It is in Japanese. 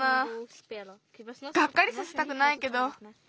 がっかりさせたくないけど。